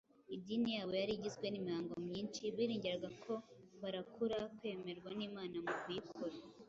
Idini yabo yari igizwe n’imihango myinshi biringiraga ko barakura kwemerwa n’Imana mu kuyikora.